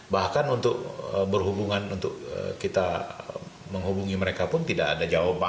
bahkan untuk berhubungan untuk kita menghubungi mereka pun tidak ada jawaban